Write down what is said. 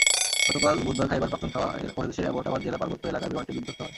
গতকাল বুধবার খাইবার পাখতুনখাওয়া প্রদেশের অ্যাবোটাবাদ জেলার পার্বত্য এলাকায় বিমানটি বিধ্বস্ত হয়।